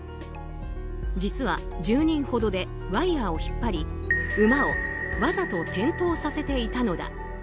実は１０人ほどでワイヤを引っ張り馬をわざと転倒させていたのだ。